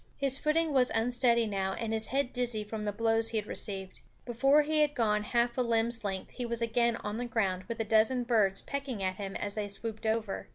His footing was unsteady now and his head dizzy from the blows he had received. Before he had gone half a limb's length he was again on the ground, with a dozen birds pecking at him as they swooped over.